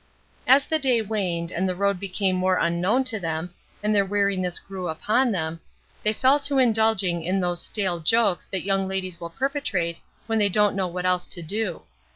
As the day waned, and the road became more unknown to them, and their weariness grew upon them, they fell to indulging in those stale jokes that young ladies will perpetrate when they don't know what else to do.